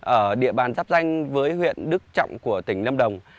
ở địa bàn giáp danh với huyện đức trọng của tỉnh lâm đồng